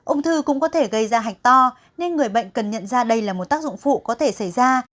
ung thư cũng có thể gây ra hạch to nên người bệnh cần nhận ra đây là một tác dụng phụ có thể xảy ra